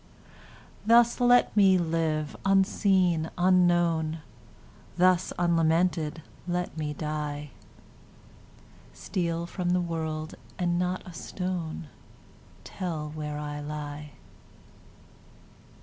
Thus let me live, unseen, unknown; Thus unlamented let me die; Steal from the world, and not a stone Tell where I lie.